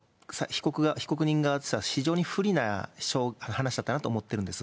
僕、これはね、被告人側としては非常に不利な話だったなと思っているんです。